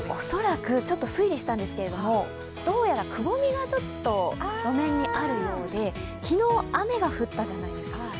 恐らく、ちょっと推理したんですけれども、どうやらくぼみが路面にあるようで昨日、雨が降ったじゃないですか。